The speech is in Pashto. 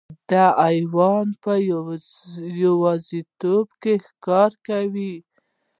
دا حیوان په یوازیتوب کې ښکار کوي.